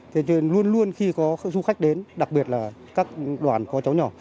thế cho nên luôn luôn khi có du khách đến đặc biệt là các đoàn có cháu nhỏ